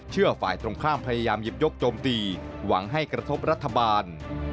ฝ่ายตรงข้ามพยายามหยิบยกโจมตีหวังให้กระทบรัฐบาล